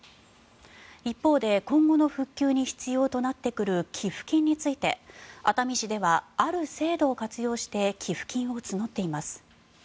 一方で、今後の復旧に必要となってくる寄付金について熱海市では、ある制度を活用して寄付金を募っています。